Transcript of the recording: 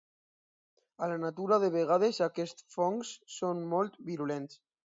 A la natura de vegades aquests fongs són molt virulents.